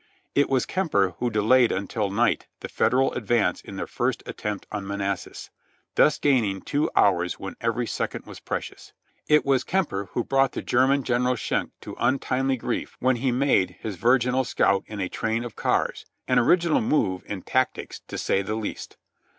It was Kemper who delayed until night the Federal advance in their first attempt on Manassas, thus gaining two hours when every second was precious. It was Kemper who brought the German General Schenck to untimely grief when he made his virginal scout in a train of cars, an original move in tactics, to say the least.